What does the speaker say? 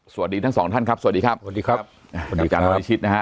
สวัสดีทั้งสองท่านครับสวัสดีครับสวัสดีครับสวัสดีอาจารย์พิชิตนะฮะ